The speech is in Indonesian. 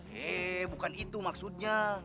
hei bukan itu maksudnya